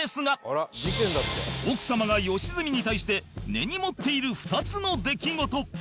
奥様が良純に対して根に持っている２つの出来事